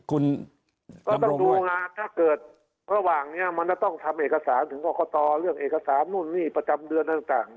คุณก็ต้องดูงานถ้าเกิดระหว่างนี้มันจะต้องทำเอกสารถึงกรกตเรื่องเอกสารนู่นนี่ประจำเดือนต่าง